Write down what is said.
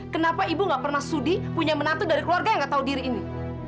kenapa ibu gak pernah studi punya menantu dari keluarga yang gak tahu diri ini